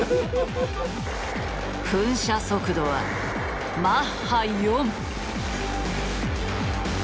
噴射速度はマッハ４。